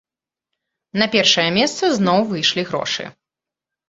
На першая месца зноў выйшлі грошы.